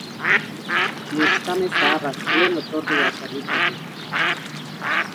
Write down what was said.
Neskame zaharrak zuen otordua zerbitzatu.